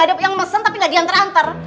ada yang mesen tapi gak diantar antar